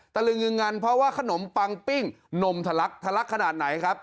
ตะลึงงึงงันเพราะว่าขนมปังปิ้งนมทะลักทะลักขนาดไหนครับ